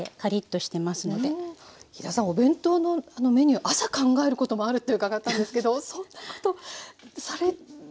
飛田さんお弁当のメニュー朝考えることもあるって伺ったんですけどそんなことされるんですか？